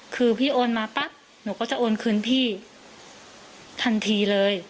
คือพี่โอนมาปั๊บหนูก็จะโอนคืนพี่ทันทีเลย